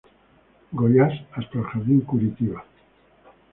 Goiás hasta el Jardín Curitiba.